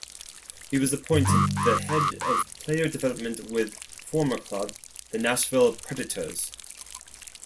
He was appointed the Head of Player Development with former club, the Nashville Predators.